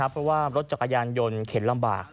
เพราะว่ารถจักรยานยนต์เข็นลำบาก